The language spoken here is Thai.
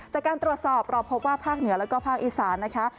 จากการตรวจสอบเราพบว่าภาคเหนือแล้วก็ภาคอีสานนะคะ